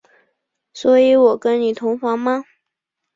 所以我跟你同房吗？